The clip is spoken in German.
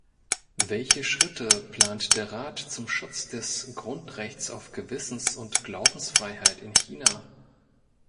Welche Schritte plant der Rat zum Schutz des Grundrechts auf Gewissens- und Glaubensfreiheit in China?